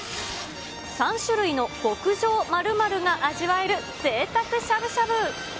３種類の極上○○が味わえるぜいたくしゃぶしゃぶ。